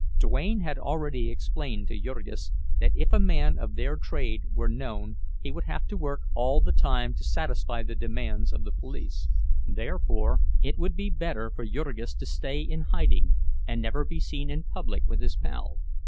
Duane had already explained to Jurgis that if a man of their trade were known he would have to work all the time to satisfy the demands of the police. Therefore it would be better for Jurgis to stay in hiding and never be seen in public with his pal.